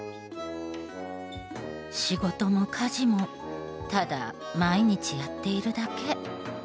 仕事も家事もただ毎日やっているだけ。